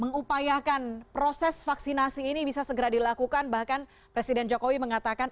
mengupayakan proses vaksinasi ini bisa segera dilakukan bahkan presiden jokowi mengatakan